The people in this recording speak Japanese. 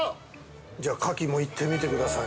◆じゃあ、カキも行ってみてください。